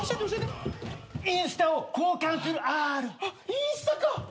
インスタか！